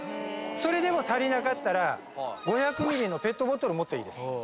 それでも足りなかったら５００ミリのペットボトル持っていいです。